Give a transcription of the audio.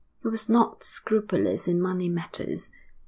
He was not scrupulous in money matters.